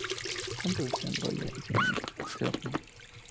Entonces se enrolla y se hornea.